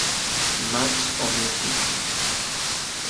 mach omikik.